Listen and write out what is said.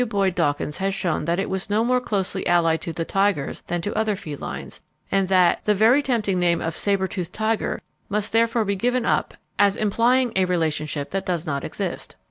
Boyd Dawkins has shown that it was no more closely allied to the tigers than to other felines, and that "the very tempting name of 'sabre toothed tiger' must therefore be given up as implying a relationship that does not exist.